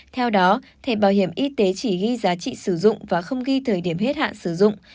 theo đó thẻ bảo hiểm y tế chỉ ghi giá trị sử dụng và không ghi thời điểm hết hạn sử dụng